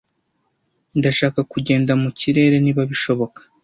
Ndashaka kugenda mu kirere niba bishoboka.